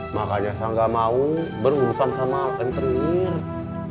makanya saya tidak mau berurusan dengan orang yang terlirik